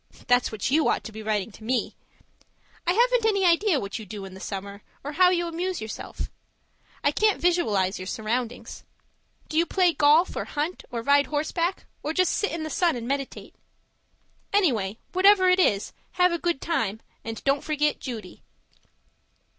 (That's what you ought to be writing to me!) I haven't any idea what you do in the summer, or how you amuse yourself. I can't visualize your surroundings. Do you play golf or hunt or ride horseback or just sit in the sun and meditate? Anyway, whatever it is, have a good time and don't forget Judy.